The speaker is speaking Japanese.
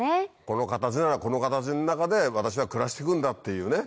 この形ならこの形の中で私は暮らしてくんだっていうね